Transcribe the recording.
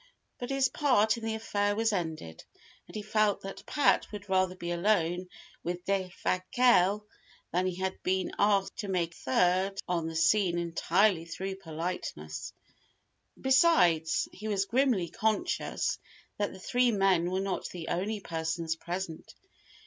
But his part in the affair was ended, and he felt that Pat would rather be alone with Defasquelle; that he had been asked to make a third on the scene entirely through politeness. Besides, he was grimly conscious that the three men were not the only persons present.